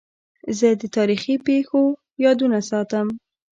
زه د تاریخي پېښو یادونه ساتم.